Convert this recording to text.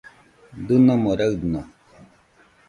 Dɨnomo raɨno